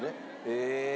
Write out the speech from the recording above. へえ。